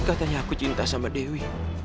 katanya aku cinta sama dewi